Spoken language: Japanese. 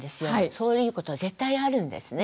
そういうことは絶対あるんですね。